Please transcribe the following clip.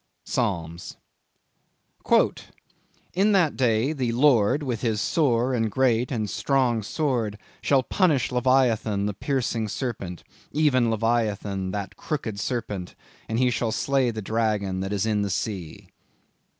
—Psalms. "In that day, the Lord with his sore, and great, and strong sword, shall punish Leviathan the piercing serpent, even Leviathan that crooked serpent; and he shall slay the dragon that is in the sea."